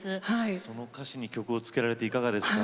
その歌詞に曲をつけられていかがですか？